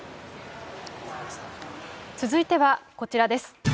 続いてはこちらです。